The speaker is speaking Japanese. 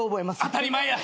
当たり前や！